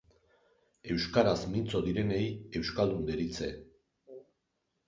Euskaraz mintzo direnei euskaldun deritze